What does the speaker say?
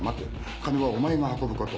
金はお前が運ぶこと。